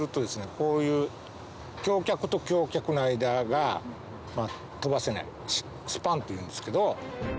こういう橋脚と橋脚の間が飛ばせないスパンっていうんですけど。